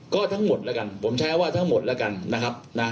ก็ทั้งหมดแล้วกันผมใช้ว่าทั้งหมดแล้วกันนะครับนะ